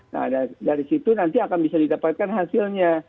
nah dari situ nanti akan bisa didapatkan hasilnya